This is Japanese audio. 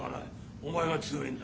お前が強いんだ。